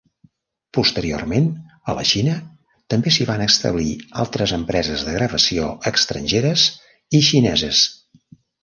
Posteriorment, a la Xina, també s'hi van establir altres empreses de gravació estrangeres i xineses.